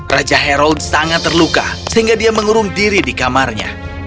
raja hairold sangat terluka sehingga dia mengurung diri di kamarnya